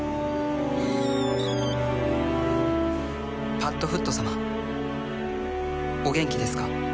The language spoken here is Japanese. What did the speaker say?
「パッドフット様お元気ですか？」